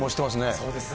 そうですね。